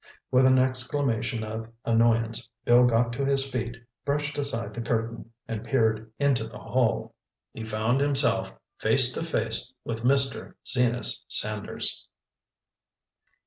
With an exclamation of annoyance, Bill got to his feet, brushed aside the curtain, and peered into the hall. He found himself face to face with Mr. Zenas Sanders.